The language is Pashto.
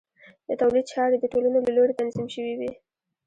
د تولید چارې د ټولنو له لوري تنظیم شوې وې.